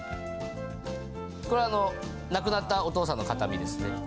これあの亡くなったお父さんの形見ですね。